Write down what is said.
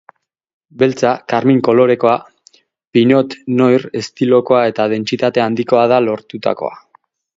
Beltza, karmin kolorekoa, pinot noir estilokoa eta dentsitate handikoa da lortutakoa.